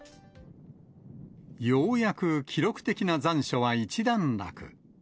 ようやく記録的な残暑は一段落。